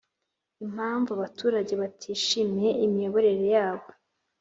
Impamvu abaturage batishimiye imiyoborere yabo